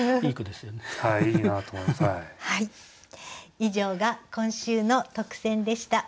以上が今週の特選でした。